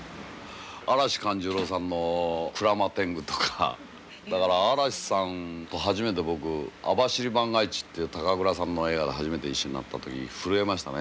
嵐寛寿郎さんの「鞍馬天狗」とかだから嵐さんと初めて僕「網走番外地」っていう高倉さんの映画で初めて一緒になった時震えましたね